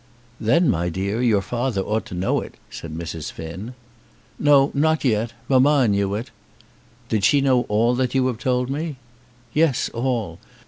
"Then, my dear, your father ought to know it," said Mrs. Finn. "No; not yet. Mamma knew it." "Did she know all that you have told me?" "Yes; all.